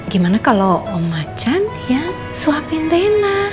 gimana kalau om macan ya suapin rena